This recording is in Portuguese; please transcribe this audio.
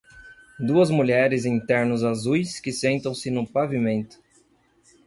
Duas mulheres em ternos azuis que sentam-se no pavimento.